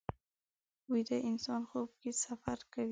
ویده انسان خوب کې سفر کوي